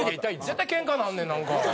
絶対けんかになんねんなんか。